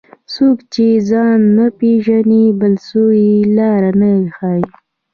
څوک چې ځان نه پیژني، بل څوک یې لار نه ښيي.